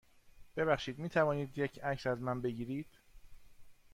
ببخشید، می توانید یه عکس از من بگیرید؟